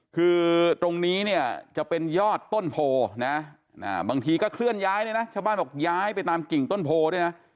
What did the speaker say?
คือตรงนี้เนี่ยจะเป็นยอดต้นโพนะบางทีก็เคลื่อนย้ายเลยนะชาวบ้านบอกย้ายไปตามกิ่งต้นโพด้วยนะ